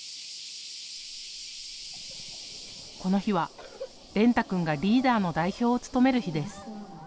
この日は蓮汰君がリーダーの代表を務める日です。